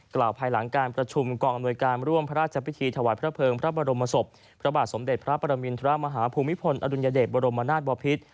กล่าวภายหลังการประชุมกองอำนวยการร่วมพระราชพิธีถวายพระเภิงพระบรมศพพระบาทสมเด็จพระปรมินทรมาฮาภูมิพลอดุลยเดชบรมนาศบอพิษ